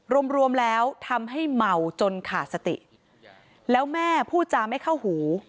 รวมรวมแล้วทำให้เมาจนขาดสติแล้วแม่พูดจาไม่เข้าหู